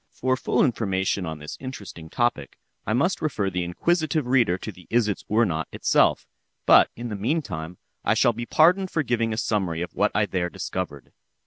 For full information on this interesting topic, I must refer the inquisitive reader to the "Isitsöornot" itself; but in the meantime, I shall be pardoned for giving a summary of what I there discovered.